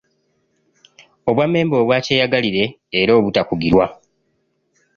Obwammemba obwa Kyeyagalire era Obutakugirwa.